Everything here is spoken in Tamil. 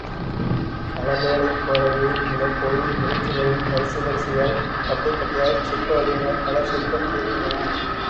ஹலபேடைப் போலவே இந்தக் கோயில் வெளிச் சுவரில் வரிசை வரிசையாய், பட்டை பட்டையாய் சிற்ப வடிவங்கள் பல செதுக்கப்பட்டிருக்கின்றன.